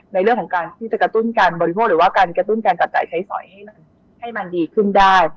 ในเรื่องของการที่จะกระตุ้นการบริโภคหรือว่าการกระตุ้นการจับจ่ายใช้สอยให้มันดีขึ้นได้